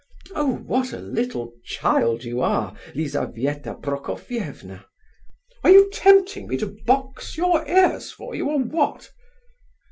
Oh, what a little child you are, Lizabetha Prokofievna!" "Are you tempting me to box your ears for you, or what?"